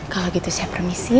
kalau gitu saya permisi